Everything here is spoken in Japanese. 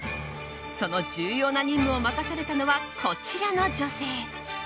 その重要な任務を任されたのはこちらの女性。